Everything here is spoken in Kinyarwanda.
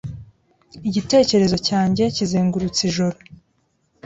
Igitekerezo cyanjye kizengurutse ijoro